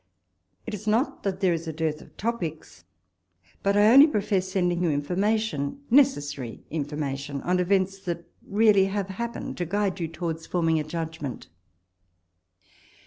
It is not that there is a dearth of topics ; but I only profess sending you information on events that really have happened, to guide you towards forming a judgment.